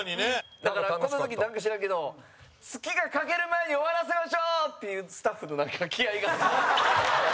だから、この時なんか知らんけど月が欠ける前に終わらせましょう！っていうスタッフの、なんか、気合が。